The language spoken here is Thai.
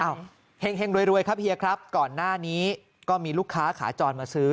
เห็งรวยครับเฮียครับก่อนหน้านี้ก็มีลูกค้าขาจรมาซื้อ